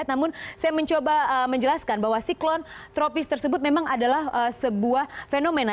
namun saya mencoba menjelaskan bahwa siklon tropis tersebut memang adalah sebuah fenomena